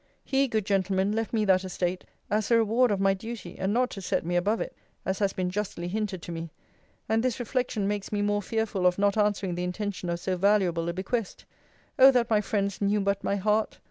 He, good gentleman, left me that estate, as a reward of my duty, and not to set me above it, as has been justly hinted to me: and this reflection makes me more fearful of not answering the intention of so valuable a bequest. Oh! that my friends knew but my heart!